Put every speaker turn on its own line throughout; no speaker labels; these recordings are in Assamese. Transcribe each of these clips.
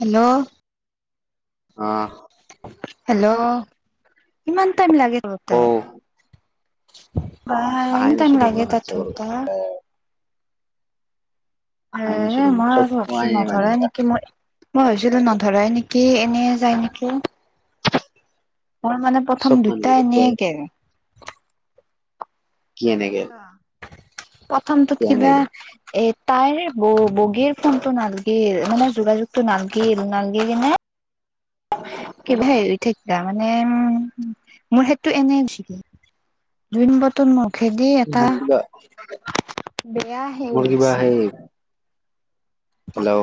হেল্লৌ'
অঁ'
হেল্লৌ' ইমান টাইম লাগে টোলোটে।
কওঁ
বা
আহাই
ইমান টাইম
নাছিলো মই
লাগে তাৰ
হোৱাটছএপত
ধৰবা। এ
আহাই
হে
নাছিলো
মই
চব
আৰু ভাবচো
পোৱাই নাই মানে
নধৰাই নেকি ময়- মই ভাবিছিলো নধৰাই নেকি, এনে যায় নেকি। মোৰ মানে
চব
প্ৰথম দুটাই
মানুহ কয়
এনেই গেল।
কি এনেগেল?
প্ৰথমটোত কিবা- এ তাইৰ বগীৰ ফোনটো নালগিল, মানে যোগাযোগটো নালগিল নালগি কিনে- কিবাহে এৰি থাকিলে মানে উম মোৰ সেটো এনে গুচিগেল। দুই নাম্বাৰটো ত মুখেদি এটা
মোৰ কিবা
বেয়া সেই
মোৰ কিবা
ওলাইছিল।
হেল্লৌ'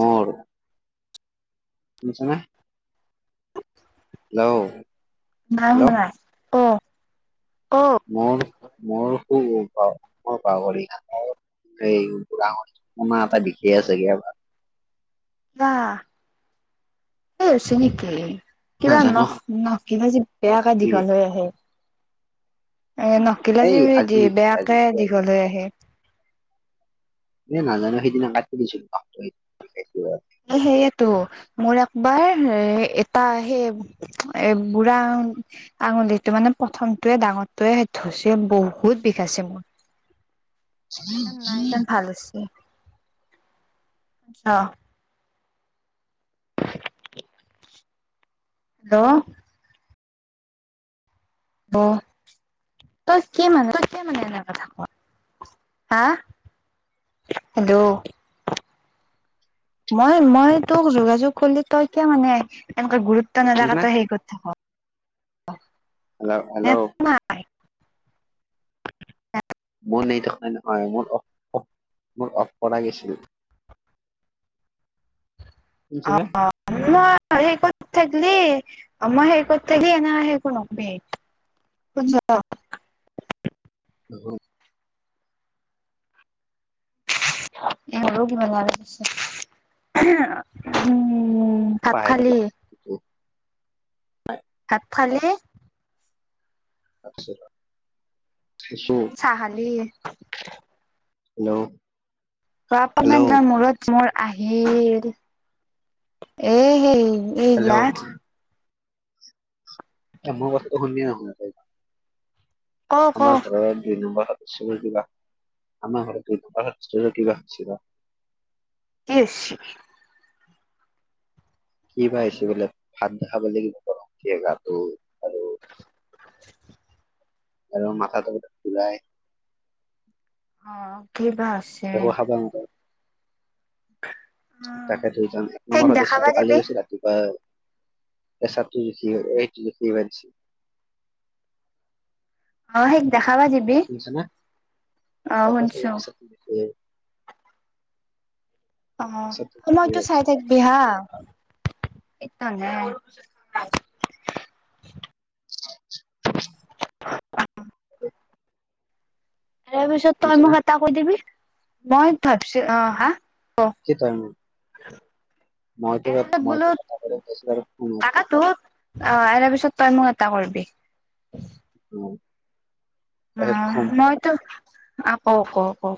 মোৰ- শুনিছনে? হেল্লৌ'
নাশুনা ক।
[unintelligible] এই বুঢ়া আঙুলি কোনা এটা বিষে আছেগে অলপ।
বা ত হৈছে নেকি। কিবা
নাজানো
নখ নখ কিবা যে বেয়াকে
কি
দীঘল হৈ আহে। এঁ নখগিলা
এই
যে
আজি
দি বেয়াকে
বিষাইছে আজি
দীঘল হৈ আহে।
নে নাজানো সেইদিনা কাটি দিছিলো।
এ সেইয়েটো। মোৰ একবাৰ এ হে এটা সেই এ বুঢ়া- আঙুলিটো মানে প্ৰথমটোৱে ডাঙৰটোৱে হৈছে বহুত বিষাইছে মোৰ। নাই তাত ভাল হৈছে। জ- হেল্লৌ' অ' তই কি মানে তই কি মানে এনে কথা কৱ? হাঁ হেল্লৌ' মই মই তোক যোগাযোগ কৰিলে তই কিয় মানে এনেকে গুৰুত্ব নেদাকে
শুনিছানে
তই সেই হেৰি কৈ থাক?
হেল্লৌ
মই
হেল্লৌ' মোৰ নাই থকা নহয়, মোৰ অফ অফ মৰ অফ কৰা গেছিল। শুনিছেনে?
অঁ অঁ। আমাৰ হেৰিকত থাকলে আমাৰ হেৰিকত থাকি এনে একো নকবি। [unintelligible]
হেলৌ'
এই হলো কিমান ভাল লাগিছে। উম' ভাত খালি? ভাত খালি?
[unintelligible]
চাহ খালি? [inaudible]
হেল্ল'! [unintelligible]
তৰা অকমান যে মূৰত মোৰ আহিল এ হেৰি [inaudible] এই
হেল্ল'
গিলাছ [unintelligible]
এবোৰ বস্তু ধুনীয়া হৈ থাকে [inaudible]
ক ক
আমাৰ ঘৰত দুই নম্বৰ সদস্য বুলি কিবা, আমাৰ ঘৰত দুই নম্বৰ সদস্যৰ কিবা বা [inaudible]
কি হৈছিল [inaudible]
কি বা হৈছে বোলে ভাত নখাব লাগিব গৰম উঠে গাটো [inaudible]
[inaudible]
আৰু মাথাটো ঘূৰায়। [unintelligible]
অঁ! কিবা হৈছে [inaudible]
একো খাব নকয় [unintelligible]
অ
তাকেতো ইজন এক
সেইক
নম্বৰ
দেখাবা
সদস্যটো কালি
দিবি
গৈছিলে। [inaudible] কিবা পেচাৰটো [inaudible] এই দেখি [unintelligible]
অ হেৰিক দেখাব দি [unintelligible]
অ শুনিছ না? তাতে
শুনছো
পেচাবতো দেখোৱা [inaudible]
অ‍ঁ!
জুখি
সময়তো চাই
আহিছে
থাকিবি হা [inaudible]
[inaudible]
[unintelligible] তাৰ পিছত তই
শুনিছানে?
মোক এটা কৈ দিবি মই ভাবিছোঁ অঁ! হা! [inaudible]
কি টাইম মইটো এ মইটো কথা এটা কৈছিলো [unintelligible]
এ তোৰ [inaudible] অঁ! এনে পিছত তই মোক এটা কৰিবি [inaudible]
উম! [inaudible]
অঁ! মইতো অ‍ঁ! কও-কও-কও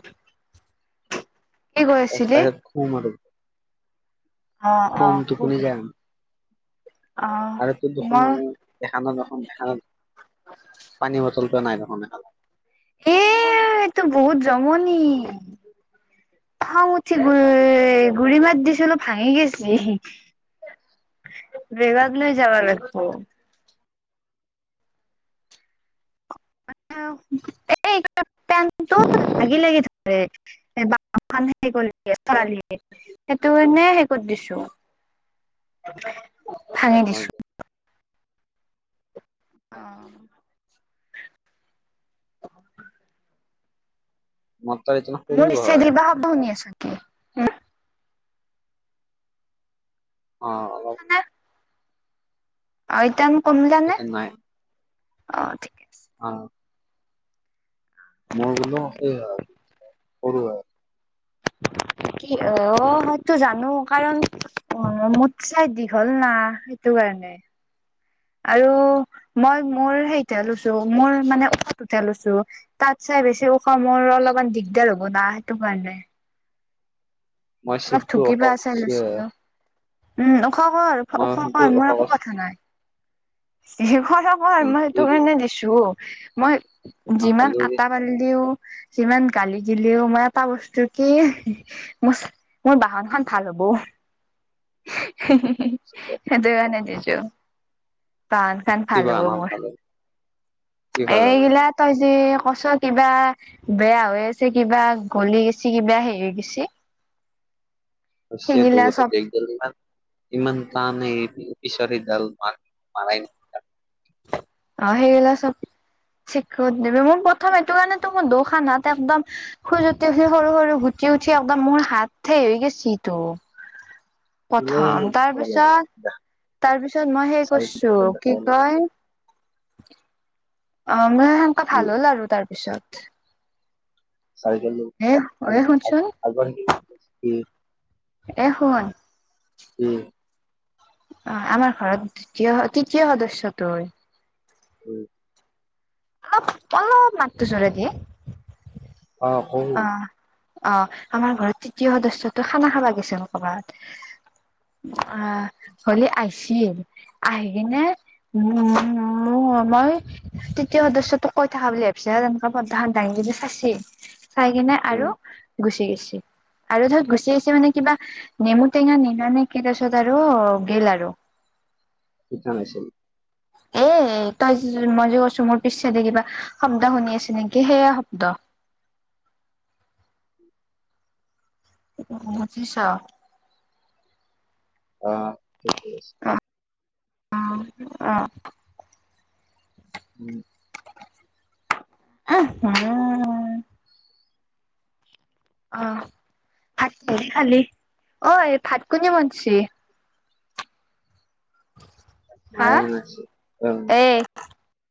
[inaudible]
[inaudible] তাহাত খুব মাৰ [unintelligible]
অঁ-অঁ! খুব
টোপনি
[inaudible]
যাম আৰু তোক দেখোন
মই
এখানত নহয় এখানত পানী বটল এটা নাই দেখুন এখানত। [inaudible]
এ এইটো বহুত জমনি। [unintelligible] খং উঠি গ [unintelligible] গুৰি মাত দিছিল ভাঙি গৈছিলি [inaudible] বিভাগ লৈ যাব লাগিব [inaudible] এই [inaudible] লাগি-লাগি ধৰে। [inaudible] অশান্তি কৰি [unintelligible] সেইটো কাৰণে হেৰি কৰি দিছোঁ। ভাঙি
হয়
দিছোঁ। [inaudible] অঁ! [unintelligible]
মত [inaudible] ন [unintelligible]
মৰিছে দিবা হব নি আচক [inaudible]
অঁ! অলপ [unintelligible]
আৰু এতিয়া মোৰ কমিলানে
এইটো
[inaudible] অ! আছে
অঁ! [unintelligible] মই বোলো সেই এ সৰু হয়। [inaudible]
[inaudible] কি অ সেইটো জানো কাৰণ অ মোতচে দীঘল না সেইটো কাৰণে। [inaudible] আৰু মই মোৰ হেৰিতে লৈছো মোৰ মানে [inaudible] লৈছো। তাত চাই বেছি ওখ মোৰ অলপমান দিগদাৰ হ'ব না সেইটো কাৰণে।
মই
অলপ
চিটটো
ঢুকি
ওখ
পা চাই
কৰিছোৱে হয়
লৈছিলো উম ওখ কৰ
মই
ওখ
সেইটো
কৰ
ওখ
মোৰ একো
কৰিছো
কথা নাই। যি কৰ' কৰ মই
হ'লেও
তোৰ
যে
সেইকাৰণে দিছো, মই যিমান
হ'লেও যে
আটা ল দিও সিমান গালি দিলেও মই এটা বস্তু কি মোৰ মোৰ বাহনখন ভাল হব।
[unintelligible]
সেইটো কাৰণে দিছো। বাহনখন ভাল
কিবা
হ'ব
নাম
মোৰ
পালো কি ভাল হ'ব
এইগিলা তই যে সঁচা কিবা বেয়া হৈ আছে কিবা গলি গৈছি কিবা হেৰি গেছি
[unintelligible]
সেইগিলা চব
ইমানমান তানে কিশৰ দাল মাৰ
অ সেইবিলা চব চেক কৰি দিবি, মোৰ প্ৰথম এইটো কাৰণটো মোৰ দুইখন হাত একদম খোজোতি উঠি সৰু সৰু গুটি উঠি একদম মোৰ হাত থে হৈ গৈছেটো
ইনেই
প্ৰথম
দেখুৱালে
তাৰপিছত তাৰপিছত মই সেই কৰিছো কি
দেখুৱালে
কয় অ মই সেনেকা
কি
ভাল হ'ল আৰু তাৰপিছত
চাইকেল লৈ
এ
আ
এ
আ
শুনচোন
আগৰ সেই
এক সময়ত
উম
অ আমাৰ ঘৰত তিতীয় তৃতীয় সদস্যটো হয়।
উম
অলপ অলপ মাতটো জোৰকে
অ সৌ
অ অ আমাৰ ঘৰত তৃতীয় সদস্যতো খানা খাবা গৈছিল ক'বাত। অ ঘৰলে আহিছিল, আহ কিনে উম উ মোৰ মই তৃতীয় সদস্যতোক কৈ থাকা বুলি ভাবিছে তেনেকে পয়দাখন দাঙি কিনি চাইছি চাই কিনে আৰু গুচি গেছি। আৰু ধৰ গুচি আহিছে মানে কিবা নেমু টেঙা নিলা নে কি তাৰপিছত আৰু গল আৰু।
কি কাম আছিল
এ তই মই যে কৈছো মোৰ পিছেদি কিবা শব্দ শুনি আছে নেকি সেয়া শব্দ। বুজিছ?
অ ঠিকে আছে।
অঁ অ।
[inaudible]
উমহো। অ ভাত কিহে খালি? ঐ ভাত কোনে বনছি? হা
মায়ে বনাইছে, উম।
এই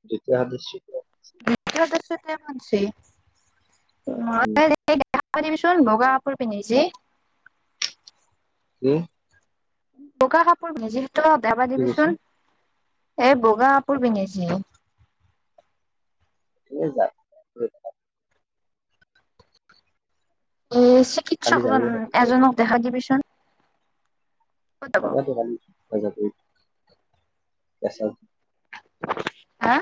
[unintelligible]
[unintelligible] [unintelligible] চোন বগা
উম
কাপোৰ পিন্ধি যে
কি?
বগা কাপোৰ পিন্ধিছি [unintelligible]
কি কৈছো
দিবিচোন এ বগা কাপোৰ পিন্ধিছি।
[unintelligible]
এ
কালি যাব
চিকিৎসকজন
ৰাতিপুৱা
এজনক দেখাই দিবিচোন। ক'ত যাব
[unintelligible]
হা?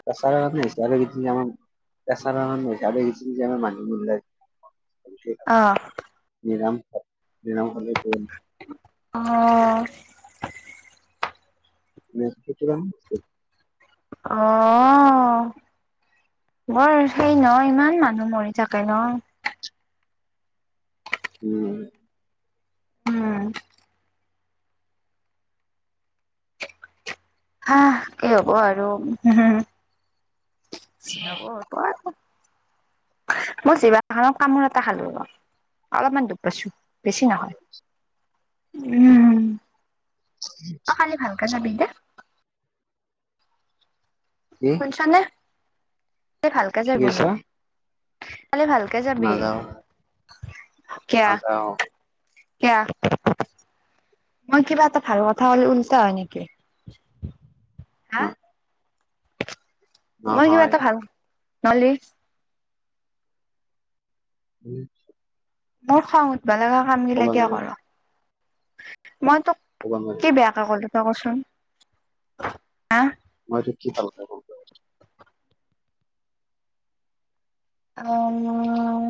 [unintelligible] [unintelligible]
অহ!
নিৰম হ নিৰম হ'লে কৰিম।
অঁ অঁ!
নাইনটি কিমান চিক
অঁ অঁ অঁ! বৰ সেই ন ইমান মানুহ মৰি থাকে ন।
উমঁ!
উমঁ! হা কি হ'ব আৰু হো হো চিনচাব পৰাকত মই জিভাখনত কামোৰ এটা খালো অলপমান দুখ পাইছো বেছি নহয়। উমঁ অ কালি ভালকে যাবি দে।
কি
শুনিছানে ভালকে
কি
যাবি বোলো
কৈছা?
কালি ভাল। কে যাবি।
নাযাওঁ,
কেয়া
নাযাওঁ,
কেয়াৰ। মই কিবা এটা ভাল কথা ক'লে উল্টা হয় নেকি? হা
উমঁ!
মই কিবা
নহয়
এটা ভাল নহ'লে।
উমঁ হো
মোৰ খং উঠবা লগা
ক'ব
কামবিলাক কিয়া
নোৱাৰি,
কৰ মই তোক। কি
[unintelligible]
বেয়াকে ক'লো তই কচোন হা।
মইটোক কি ভালকে কলো।
অঁ মই।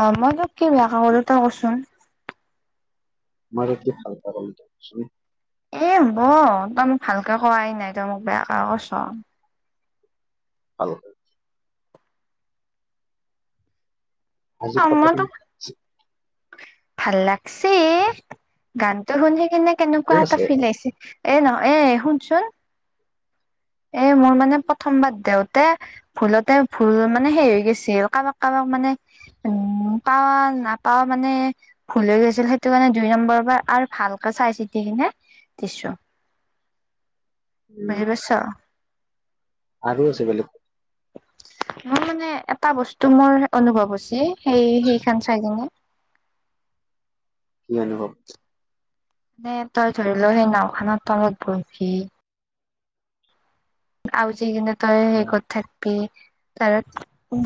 অঁ মই তোক কি বেয়াকে কলো তই কচোন।
মই তোক কি ভালকে কলো তয় কচোন।
এই হ'ব তই মোক ভালকে কোৱাই নাই তই মোক বেয়াকে কৈছ।
ভালকে আজি
আমা
ফটোখন
তোক ভাল লাগছি গানটো শুনি কিনে
আৰু
কেনেকুৱা এটা
আছে,
ফিল আইছে। এ নহয় এ শুনচোন। এই মোৰ মানে প্ৰথম বাৰ দেউতে ভুলতে ভুল মানে সেই হৈ গৈছিল কাৰোবাক কাৰোবাক মানে। উমঁ পাৱা নাপাওঁ মানে। ভুল হৈ গৈছিল সেইটো কাৰণে দুই নম্বৰ বাৰ আৰু ভালকে চাই চিতি কিনে দিছোঁ।
উম,
বুজি পাইছ।
আৰু আছে বেলেগ।
মোৰ মানে এটা বস্তু মোৰ অনুভৱ হৈছি সেই সেই খান চাই কিনে।
কি অনুভৱ।
নে তই ধৰি লও সেই নাওখনত তলত বহিবি। আও যি কিন্ত তই হেই কথাত কে কাৰণ ফোন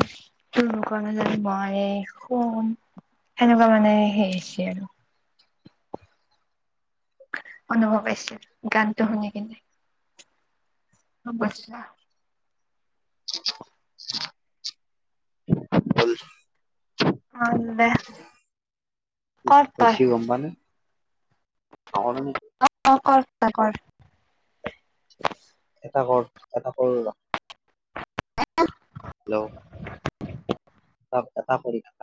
নোখোৱা কাৰণে মই শুম। সেনেকুৱা মানে সেই হৈছে আৰু। অনুভৱ পাইছো গানতটো শুনি কিনে। [unintelligible]
[unintelligible]
অ দে কৰ তই
[unintelligible] [unintelligible]
অঁ', -কৰ, চেষ্টা কৰ।
এটা কৰল, এটা কৰল
[unintelligible]
হেল্ল'।
[inaudible]
[unintelligible]